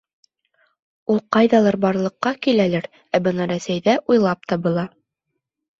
Ул ҡайҙалыр барлыҡҡа киләлер, ә бына Рәсәйҙә уйлап табыла.